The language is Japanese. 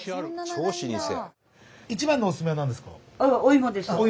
超老舗。